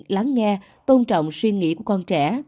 lắng nghe tôn trọng suy nghĩ của con trẻ